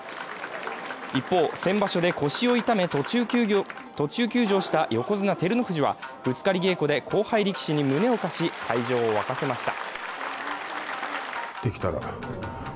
一方、先場所で腰を痛め途中休場した横綱・照ノ富士はぶつかり稽古で後輩力士に胸を貸し会場を沸かせました。